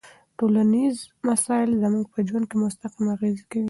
ټولنيز مسایل زموږ په ژوند مستقیم اغېز کوي.